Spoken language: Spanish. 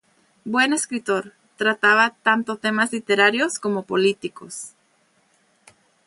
Buen escritor, trataba tanto temas literarios como políticos.